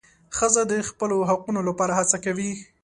ښځه د خپلو حقونو لپاره هڅه کوي.